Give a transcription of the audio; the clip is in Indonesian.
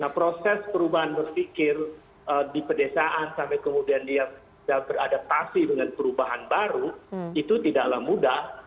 nah proses perubahan berpikir di pedesaan sampai kemudian dia beradaptasi dengan perubahan baru itu tidaklah mudah